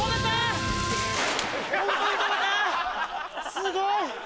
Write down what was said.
すごい！